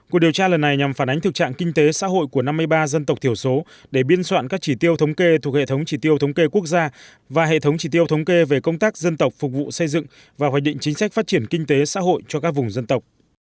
cuộc điều tra lần này nhằm phản ánh thực trạng kinh tế xã hội của năm mươi ba dân tộc thiểu số để biên soạn các chỉ tiêu thống kê thuộc hệ thống chỉ tiêu thống kê quốc gia và hệ thống chỉ tiêu thống kê về công tác dân tộc phục vụ xây dựng và hoạch định chính sách phát triển kinh tế xã hội cho các vùng dân tộc